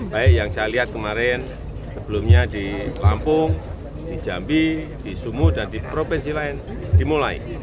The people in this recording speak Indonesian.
baik yang saya lihat kemarin sebelumnya di lampung di jambi di sumu dan di provinsi lain dimulai